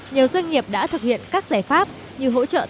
nhiều doanh nghiệp đã thực hiện các giải pháp như hỗ trợ tổ chức